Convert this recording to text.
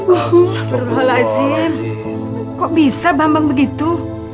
berulah lazim kok bisa bambang begitu